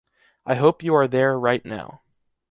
I hope you are there right now.